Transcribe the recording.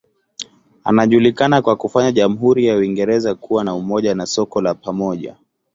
Anajulikana kwa kufanya jamhuri ya Uingereza kuwa na umoja na soko la pamoja.